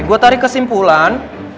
gue tarik kesimpulan